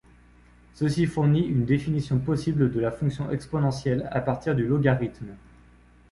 Ceci fournit une définition possible de la fonction exponentielle à partir du logarithme.